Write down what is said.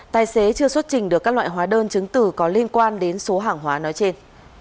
tài xế chưa xuất trình được các loại hóa đơn chứng từ có liên quan đến số hàng hóa nói trên